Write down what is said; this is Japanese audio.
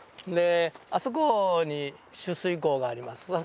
であそこに取水口があります。